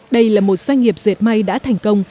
đây là một doanh nghiệp dệt may đã thành công